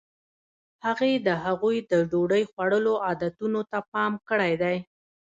هغې د هغوی د ډوډۍ خوړلو عادتونو ته پام کړی دی.